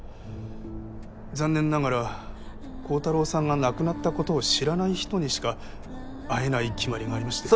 残念ながら幸太郎さんが亡くなったことを知らない人にしか会えない決まりがありまして。